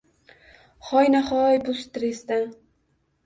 — Hoyna-hoy bu stressdan…